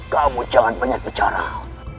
kamu jangan banyak berjarah